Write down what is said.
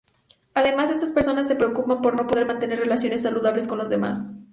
Además, estas personas se preocupan por no poder mantener relaciones saludables con los demás.